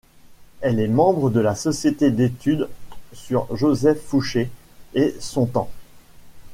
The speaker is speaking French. Elle est membre de la Société d’Études sur Joseph Fouché et son temps.